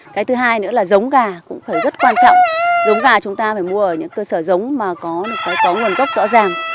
cái thứ hai nữa là giống gà cũng phải rất quan trọng giống gà chúng ta phải mua ở những cơ sở giống mà có nguồn gốc rõ ràng